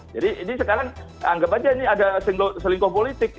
jadi ini sekarang anggap saja ini ada selingkuh politik